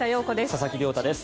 佐々木亮太です。